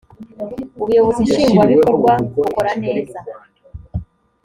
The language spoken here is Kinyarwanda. ubuyobozi nshingwabikorwa bukora neza